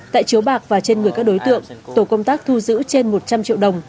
tại chiếu bạc và trên người các đối tượng tổ công tác thu giữ trên một trăm linh triệu đồng